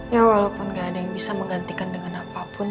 ya walaupun gak ada yang bisa menggantikan dengan apapun